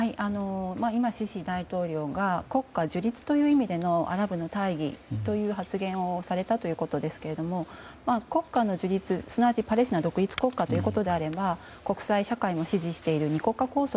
今、シシ大統領が国家樹立という意味でのアラブの大義という発言をされたということですけれども国家の樹立すなわちパレスチナは独立国家だということであれば国際社会の支持している２国家構想